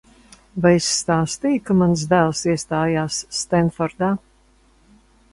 Vai es stāstīju, ka mans dēls iestājās Stenfordā?